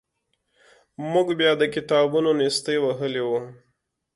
موږ بیا د کتابونو نیستۍ وهلي وو.